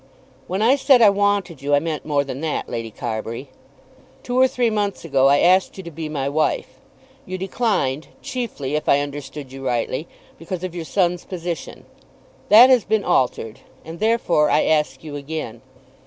"When I said I wanted you, I meant more than that, Lady Carbury. Two or three months ago I asked you to be my wife. You declined, chiefly, if I understood you rightly, because of your son's position. That has been altered, and therefore I ask you again.